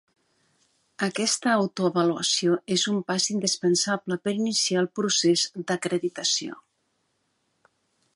Aquesta autoavaluació és un pas indispensable per iniciar el procés d'acreditació.